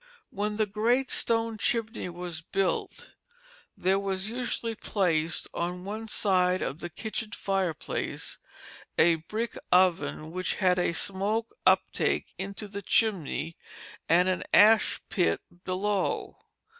When the great stone chimney was built, there was usually placed on one side of the kitchen fireplace a brick oven which had a smoke uptake into the chimney and an ash pit below.